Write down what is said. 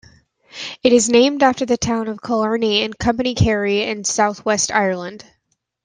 It is named after the town of Killarney in Company Kerry in southwest Ireland.